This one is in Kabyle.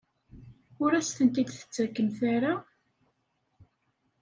Ur as-tent-id-tettakemt ara?